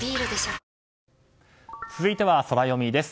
」続いてはソラよみです。